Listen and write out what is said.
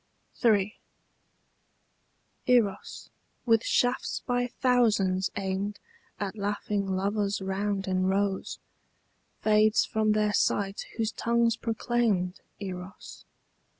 III. Eros, with shafts by thousands aimed At laughing lovers round in rows, Fades from their sight whose tongues proclaimed Eros.